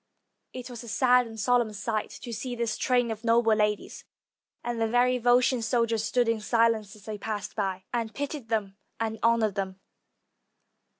It was a sad and solemn sight to see this train of noble ladies, and the very Volscian soldiers stood in silence as they passed by, and pitied them and honored them.